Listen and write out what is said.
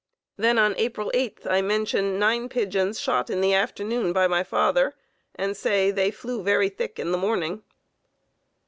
Then on April 8th I mention 9 pigeons shot in the afternoon by my father, and say "they flew very thick in the morning."